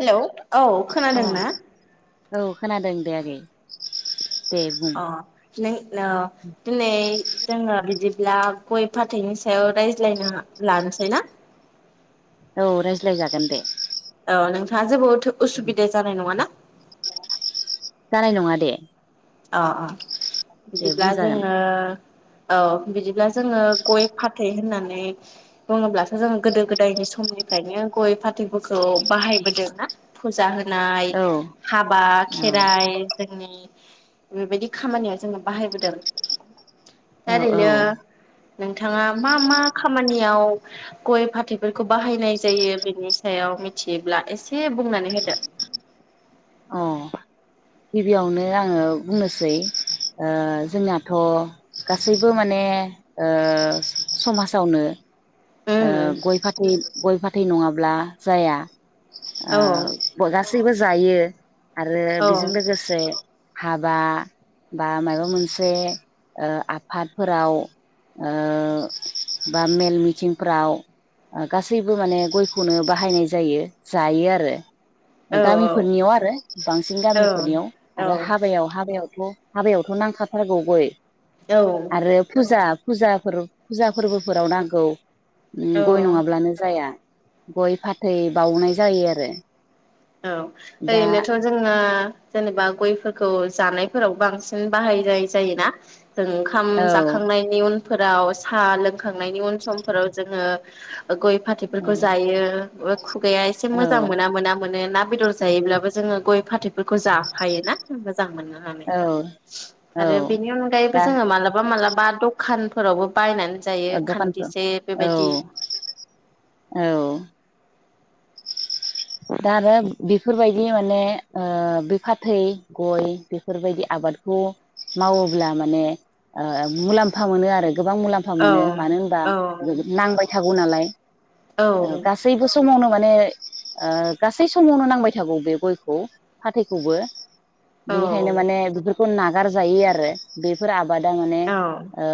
Hello औ अ खोनादों ना? औ खोनादों दे आगै दे बुं अ नों न दिनै जोङो बिदिब्ला गय फाथैनि सायाव रायज्लायनो लानोसै ना? औ रायज्लायजागोन दे। औ नोंथाङा जेबोद थ उसुबिदा जानाय नङा ना? जानाय नङा दे अ अ दे बिदिब्ला बुंजागोन जोङो औ बिदिब्ला जोङो गय फाथै होननानै बुङोब्लाथ' जोंङ गोदो गोदायनि समनिफ्रायनो गय फाथैफोरखौ बाहायबोदों ना फुजा हो नाय औ हाबा औ खेराइ जोंनि बेबायदि खामानिया जोंना बाहायबोदों दा औ ओरैनो नोंथाङा मा मा खामानियाव गय फाथैफोरखौ बाहायनाय जायो बेनि सायाव मिथियोब्ला एसे बुंनानै होदो अ गिबियावनो आङो बुंनोसै ओ जोंनाथ' गासैबो माने ओ समाजावनो ओ उम गय फाथै गय फाथ थै नङाब्ला जाया ओ औ बगास जेबो जायो आरो औ बेजों लोगोसे हाबा बा माबा मोनसे ओ आफादफोराव ओ बा मेल मिथिं फ्राव गासैबो माने गयखौनो बाहायनाय जायो जायो आरो ओ औ गामिफोरनियाव आरो बांसिन औ गामिफोरनियाव आरो हाबायाव हाबायावथ' हाबायावथ' नांखाथारगौ गय औ आरो फुजा फुजाफोराव फुजा फोरबोफोराव नांगौ ओम औ गय नङाब्लानो जाया गय फाथै बाउनाय जायो आरो औ दा ओरैनोथ' जोंओ जेनेबा गयफोरखौ जानायफोराव बांसिन बाहाय जाय जायोना जों ओंखाम औ जाखांनायनि उन फोराव साहा लोंखांनायनि उन समफोराव जोङो गय फाथैफोरखौ जायो ओ खुगाया एसे औ मोजां मोना मोना मोने ना बेदर जायोब्लाबो जोङो गय फाथैफोरखौ जाफायोना होनबा जां मोननो हानाय औ औ आरो बेनि अनगायैबो दा जोङो मालाबा मालाबा बा दखानफोरावबो बायनानै औ जायो खान्दिसे दखानफ्राव बेबायदि औ औ दा आरो बेफोरबायदि माने बे फाथै गय बेफोरबायदि आबादखौ मावोब्ला माने मुलाम्फा मोनो आरो गोबां मुलाम्फा औ मोनो मानो होनबा औ नांबाय थाग बनालाय औ ओ गासैबो समावनो माने ओ गासै समावनो नांबाय थागौ बे गयखौ फाथैखौबो। बिनिखायनो औ माने बि खौ नागार जायै आरो बेफोर आब बादा माने औ ओ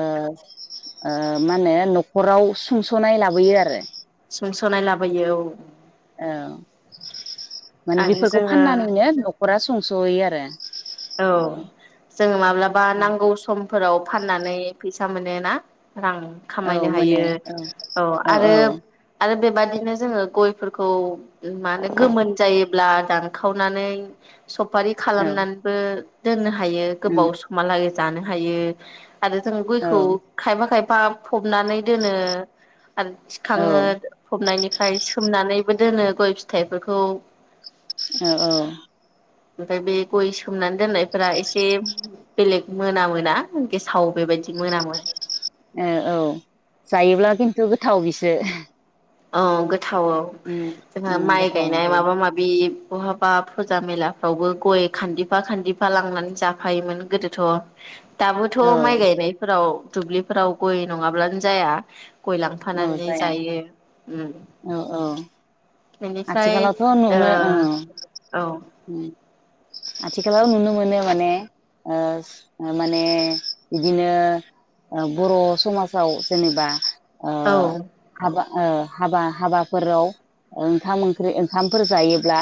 ओ मा होनो न'खराव सुंस'नाय लाबोयो आरो। सोंस'नाय लाबोयो औ। औ माने आरो बेफोरखौ जोङो फाननानैनो नख खरा संस'हैयो आरो औ जोंङो माब्लाबा नांगौ सम फोराव फाननानै फैसा मोनो ना? रां औ खामायनो मोनो हायो औ आरो आरो बेबादिनो जोंङो गय फोरखौ मानो गोमोन जायोब्ला दानखावनानै सफारि औ खालामनान बो दोननो हा हायो उम गोबाव समा लागै जानो हायो आरो जों औ गयखौ खायबा खाय बा फबनानै दोनो आरो औ थिखाङो फबनायनिफ्राय सोमनानैबो दोनो गय फिथाइफोरखौ औ औ ओफ्राय बे गय सोमनानै दोननायफोरा एसे बेलेग मोनामोना गेसाव बेबायदि। मोनामो औ जायोब्ला खिन्थु गोथाव बिसो। औ थावआव उम जोंहा उम माइ गोथाव गायनाय मोनजायो माबा माबि बहाबा फुजा मेलाफ्रावबो गय खान्दिफा खान्दिफा लांनानै जाफायोमोन गोदोथ'। दाबोथ' औ माइ गायनायफोराव दुब्लिफोराव गय नङाब्लानो जाया। गय औ लांफानानै जाया जायो। उम औ औ। बेनिफ्राय आथिखालावथ' नु नो औ ओ औ उम। आथिखालाव नुनो मोनो माने ओ माने बिदिनो बर' समाजाव जेनेबा। ओ औ। हाबा ओ हाबा हाबाफोराव ओंखाम ओंख्रि ओंखामफोर जायोब्ला।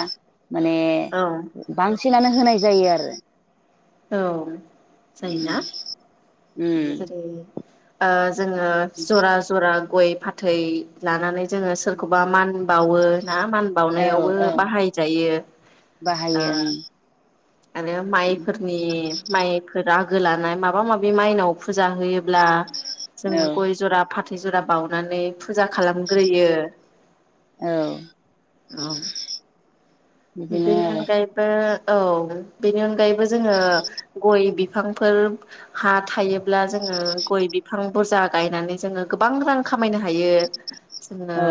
माने औ बां फसेेलानो होनाय जायो आरो। औ जायोना उम उम जेरै आ। जोङो जरा जरा गय फाथै लानानै जोङो सोरखौबा मान बावो। ना मान औ बावनायावबो औ बाहायजायो। बाहायो आरो माइफोरनि। माइफोर आगो लानाय माबा माबि माइनाव फुजा होयोब्ला जोङो ओं गय जरा फाथो जरा बानानै फुजा खालामग्रोयो। औ। औ। बिदिनो बिनि आरो अनगायै बो। औ बेनि अनगायैबो। जोङो गय बि बिफांफोर हा थायोब्ला जोङो गय बिफां बुरजा गायनानै जोङो गोबां रां खामायनो हायो। थायो जोङो औ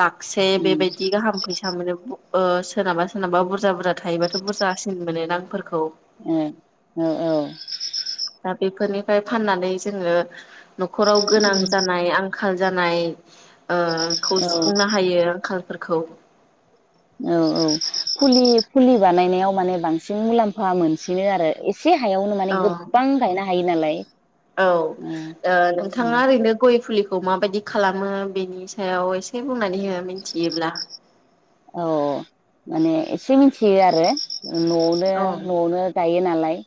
लाखसे उम बेबायदि गाहाम फैसा मोनो। अ। सोरनाबा सोरनाबा बुरजा बुरजा थायोबाथ' बुरजासिन मोनो रां फोरखौ। ओ औ औ। ओमफ्राय फाननानै जोङो। न'खराव गोनां जानाय आं। आंखाल जानाय। ओ खौ औ सुफुंनो हायो आंखाल। फोरखौ। औ औ फुलि फुलि बानायनायाव माने बांसिन मुलाम्फा मोनसिनो आरो इसे। एसे हायावनो माने औ गोबां गायनो हायो नालाय औ ओ उम उम‌। खौ माबायदि खालामो बेनि सायाव एसे बुंनानै हो मिथियोब्ला? औ अ' माने एसे मिथियो आरो। ओ न'आवनो औ न'आवनो गायो नालाय। गाय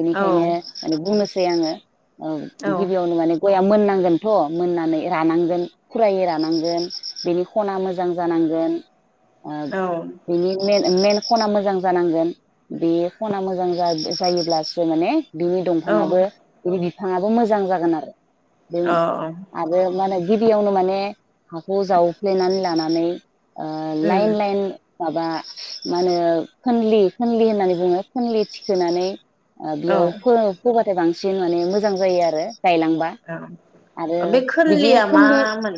बेनिखायनो औ माने बुंनोस सै आङो। औ गिबियावनो माने गया दा मोननांगोनथ' मोननानै रानांगोन खुरायै रानांगोन बेनि खना मोजां जानांगोन। ओ औ बिनि मेन मेन खना मोजां जानांगोन बे खना मोजां जा- जायोब्लासो माने बिनि दंफाङाबो गिदिद फाङाबो मोजां जागोन आरो। दै औ आरो मानै गिबियावनो माने हाखौ जावफ्लेनानै लानानै ओ ओ लाइन उम लाइन माबा मा होनो खोनलि खोनलि होननानै बुङो खोनलि थिखोनानै ओ औ बेयाव फो-फोबा फ्राय बांसिन माने मोजां जायो आरो। गायलांबा औ आरो बे बिदिया खोनलिया खोमलिस मामोन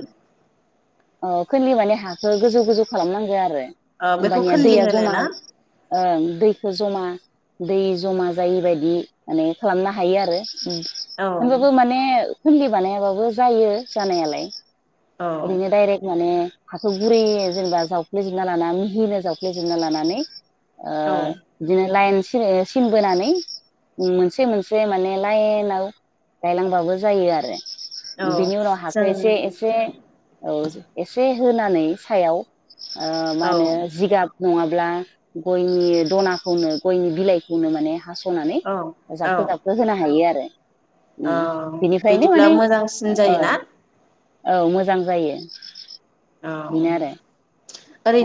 अ' खोनलि माने हाखो गोजौ गोजौ खालामनांगो आरो ओ बेखौ होमबानिया खोनलि दैया होनो जमा ना? ओं दैखो जमा दै जमा जायि बायदि माने खालामनो हायो आरो। उम औ होमबाबो माने खोनलि बानायाबाबो जायो जानायालाय। औ ओरैनो डायरेक माने हाखौ गुरै जेनेबा जावफ्लेेजोबना लाना मिहिनो जावफ्लेेजोबना लानानै। ओ औ बिदिनो लाइन्स सिलेस-सिनबोनानै मोनसे मोनसे माने लाइनाव गायलांबाबो जायो आरो। जों बिनि उनाव हाखो एसे एसे औ एसे होनानै सायाव ओ मा औ होनो जिगाब नङाब्ला गयनि दनाखौनो गयनि बिलाइखौनो माने हास खनानै औ औ जाबखो जाबखो होनो हायो आरो। औ उम बिनिफ्रायनो बिदिब्ला माने मोजांसिन ओ जायोना? औ मोजां जायो औ बेनो आरो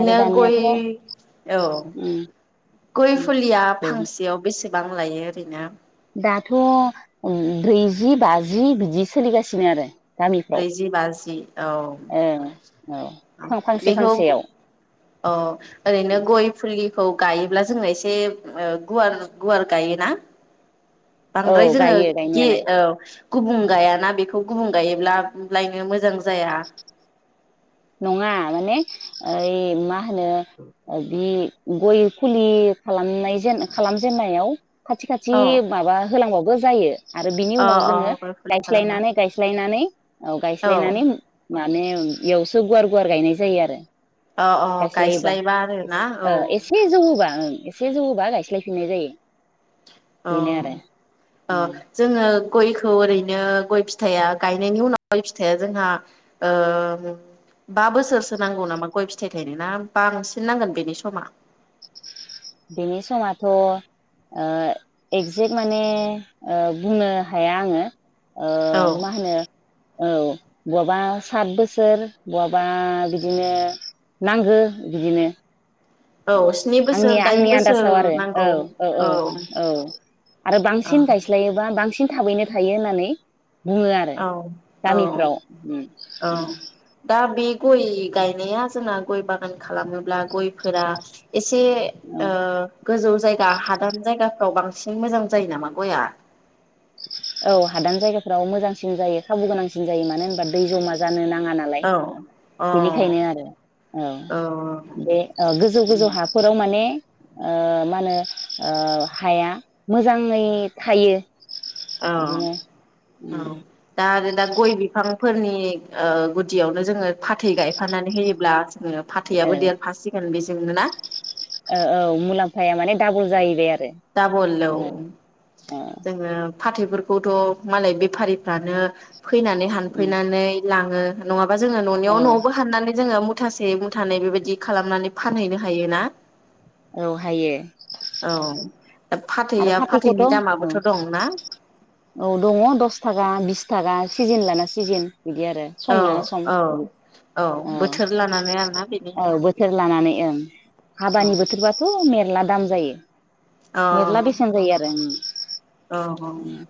आरो दानियाथ' उम गय औ उम गय फुलिया फांसेयाव बेसे बां लायो ओरैनो दाथ उम ब्रैजि बाजि बिदि सोलिगासिनो आरो गामिफ्राव ब्रैजि बाजि औ ओं औ फां फांसे बेखौ फांसेयाव औ ओरैनो गय फुलिखौ गायोब्ला जोंना एसे खायसे गुवार -गुवार गायो ना औ बांद्राय जोङो गायो गे गायनायालाय ओ गुबुं गायाना बेखौ गुबुं गायोब्ला लायनो मोजां जाया नङा माने ओइ मा होनो बि गय फुलि खालामनाय जेन खालामजेननायाव खाथि -खाथि औ माबा होलांबावो बो जायो आरो बिनि अ उनाव जोङो गय फुलि खालामबा गायस्लायनानै -गायस्लायनानै औ गायस्लायनानै माने एवासो ज गुवार- गुवार गायनाय जायो आरो अ अ गायस्लायोबा गायस्लायबा एस आरोना औ एसे जौ होबा ओ एसे जौहोबा गायस्लायफिननाय जायो औ बेनो आरो अ उम जोङो गयखौ ओरैनो गय फिथाइया गायनायनि उनाव गय फिथाइया जोंहा ओ बा बोसोरसो नांगौ नामा गय फिथाइ थायनाय ना बांसिन नांगोन बेनि समा बेनि समाथ' ओ एक्जेक्ट माने ओ बुंनो हाया आङो ओ औ मा होनो औ बहाबा सात बोसोर बहाबा बिदिनो नांगौ बिदिनो औ स्नि आंनि बोसोर दाइन -आंनि बोसोर आन्दासाव आरो औ नांगौ -औ -औ- औ आरो बांसिन गायस्लायोबा बांसिन थाबैनो थायो होननानै बुङो आरो औ गामिफ्राव उम औ उम दा बिख गय गायनाय आजोना गय बागान खालामोब्ला गयफोरा एसे औ ओ गोजौ जायगा हादान जायगाफ्राव बांसिन मोजां जायो नामा गया? औ हादान जायगाफ्राव मोजांसिन जायो खाबु गोनांसिन जायो मानो होनबा दै जमा जानो ना ङा नालाय औ अ बेनिखायनो आरो औ बे गोजौ उम गोजौ हाफोराव माने ओ मानो ओ हाया मोजाङै थायो। औ बिदिनो उम औ दा आरो दा गय बिफांफोरनि ओ गुदियावनो जोङो फाथै गायफानानै होयोब्ला फाथैयाबो देरफासिगोन बेजों जोंनो ना? ओ औ मुलाम्फाया माने डाबल जायैबाय आरो। दाबल औ ओ ओ जोङो फाथैफोरखौथ' मालाय बेफारिफ्रानो फैनानै उम हानफैनानै लाङो नङाब बा जोङो न'नियाव औ न'आवबो हाननानै जोङो मु थासे मुथानै बेबायदि खालामनानै फानहैनो हायो ना। औ हायो। औ दा आरो फाथैया फाथैखौथ' फाथैनि अह दामाबोथ' दंना औ दङ दस थागा बिस थागा जेन लाना सिजेन। बिदि आरो सम औ लाना सम औ औ बोथोर लानानै आरोना बेनि औ बोथोर लानानै ओं औ हाबानि बोथोरबाथ' मेरला दाम जायो। औ मेरला बेसेन जायो आरो औ औ उम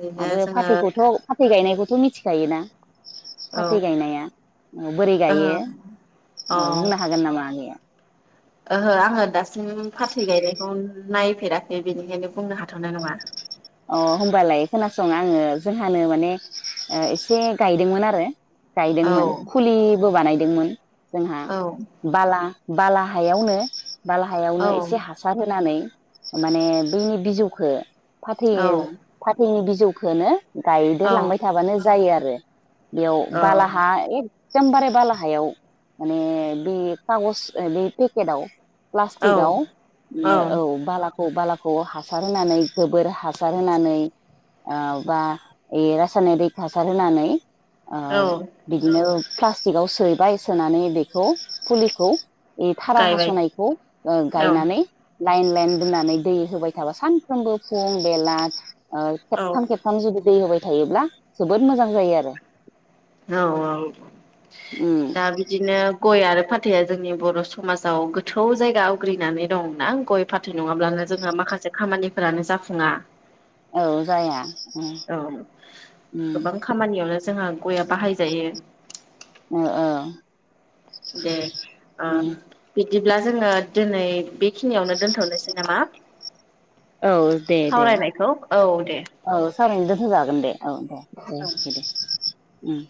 ओरैनो आरो जोङो फाथैखौथ' फाथै गायनायखौथ' मि थिखायोना। औ फाथै गायनाया बोरै गायो ओहो औ ओ बुंनो हागोन नामा आगैया? ओहो आङो दासिम फाथै गायनायखौ नायफेराखै बेनिखायनो बुंनो हाथ'नाय नङा। अह होनोमबालाय खोनासं आङो जोंहानो माने एसे गायदोंमोन आरो औ गायदोंमोन फुलिबो बानाय दोंमोन। जोंहा औ बाला बाला हायावनो बाला औ हायावनो एसे हासार होनानै माने बैनि बिजौखो फाथै औ फाथैनि बिज जौखोनो औ गायदेरलांबाय थाबानो जायो आरो याव बालाहा ए सम्बारे बालाहायाव माने बे खागज बे पेकेटाव औ प्लास्टिकआव इयो औ बाला औ बालाखौ हासार होनानै गोबोर हासार होनानै ओ बा इ रासायनारिक हासार होनानै ओ औ बिदिनो प्लास्टिकआव सैबाय सोनानै बेखौ फुलिखौ इ थारा गायबाय हास'नायखौ ओ औ गायनानै लाइन लाइन दोननानै दै होबाय थाबा सानफ्रोमबो फुं बेला ओ औ खेबथाम खेबथाम जुदि दै होबाय थायोब्ला जोबोद मोजां जायो आरो। औ औ उम दा बिदिनो गय आरो फाथ थैया जोंनि बर' समाजाव गोथौ जायगा आवग्रिनानै दं ना गय फाथै नङाब्लानो जोंङो माखासे खामानिफोरानो जाफुङा। औ जाया। औ गोबां खामानियावनो जोंहा गया बाहायजायो। ओ औ। दे। ओ उम बि दिब्ला जोङो दिनै बेखिनियावनो दोनथ'नोसै नामा? औ दे दे सावरायनायखौ औ दे औ थारैनो दोनथ'जागोन दे। औ दे। उम औ दे दे। उम।